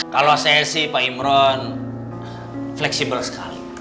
kalau saya sih pak imron fleksibel sekali